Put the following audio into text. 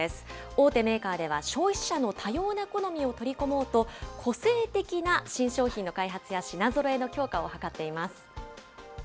大手メーカーでは、消費者の多様な好みを取り込もうと、個性的な新商品の開発や品ぞろえの強化を図っています。